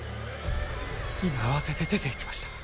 今慌てて出ていきました